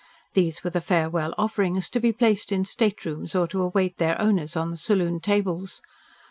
These were the farewell offerings to be placed in staterooms, or to await their owners on the saloon tables.